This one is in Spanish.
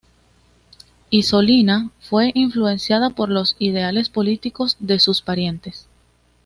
Isolina fue influenciada por los ideales políticos de sus parientes.